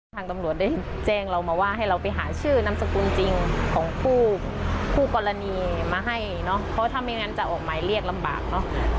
ทางตำรวจได้แจ้งเรามาว่าให้เราไปหาชื่อนามสกุลจริงของผู้คู่กรณีมาให้เนอะเพราะถ้าไม่งั้นจะออกหมายเรียกลำบากเนอะ